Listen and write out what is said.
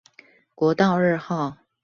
國道二號